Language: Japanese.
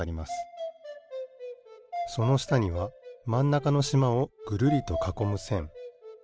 そのしたにはまんなかのしまをぐるりとかこむせん。